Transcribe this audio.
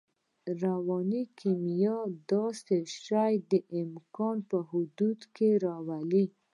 رواني کیمیا دا شیان د امکان په حدودو کې راولي